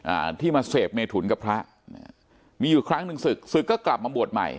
อ่าที่มาเสพเมถุนกับพระเนี่ยมีอยู่ครั้งหนึ่งศึกศึกก็กลับมาบวชใหม่